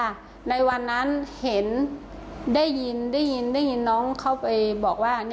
ค่ะในวันนั้นเห็นได้ยินน้องเข้าไปบอกว่า